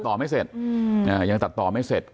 แต่ยังตัดต่อไม่เสร็จ